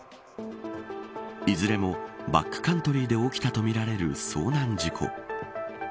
いずれもバックカントリーで起きたとみられる遭難事故。